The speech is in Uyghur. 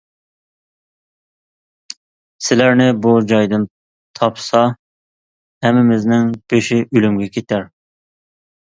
سىلەرنى بۇ جايدىن تاپسا ھەممىمىزنىڭ بېشى ئۆلۈمگە كېتەر.